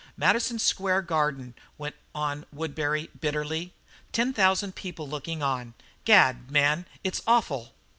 "Madison Square Garden," went on Woodbury bitterly. "Ten thousand people looking on gad, man, it's awful."